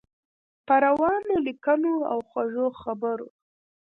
په روانو لیکنو او خوږو خبرو.